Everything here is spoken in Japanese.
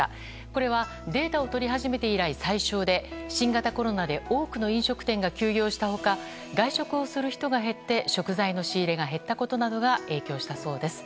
これはデータを取り始めて以来最少で新型コロナで多くの飲食店が休業した他外食をする人が減って食材の仕入れが減ったことなどが影響したそうです。